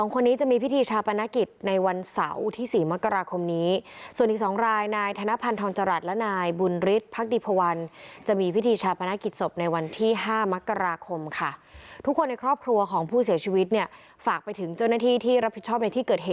ค่ะแม่ไม่อยากเห็น